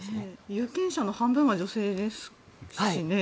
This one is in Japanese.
有権者の半分は女性ですしね。